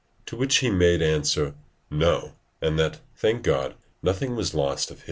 To which he made answer, No; and that, thank God, nothing was lost of his.